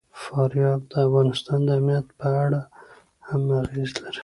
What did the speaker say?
فاریاب د افغانستان د امنیت په اړه هم اغېز لري.